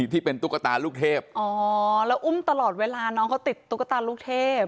ตุ๊กตาลูกเทพอ๋อแล้วอุ้มตลอดเวลาน้องเขาติดตุ๊กตาลูกเทพ